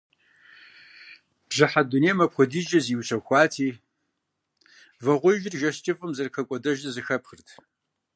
Бжьыхьэ дунейм апхуэдизкӏэ зиущэхуати, вагъуэижыр жэщ кӏыфӏым зэрыхэкӏуэдэжыр зэхэпхырт.